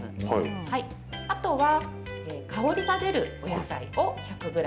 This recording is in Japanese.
あとは香りが出る野菜を１００ｇ。